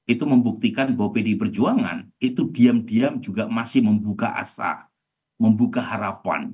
itu membuktikan bahwa pdi perjuangan itu diam diam juga masih membuka asah membuka harapan